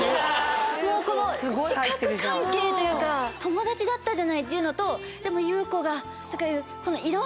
もうこの四角関係というか友達だったじゃないっていうのとでも夕子がとか。